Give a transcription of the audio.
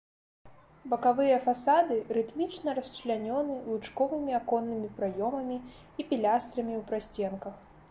Бакавыя фасады рытмічна расчлянёны лучковымі аконнымі праёмамі і пілястрамі ў прасценках.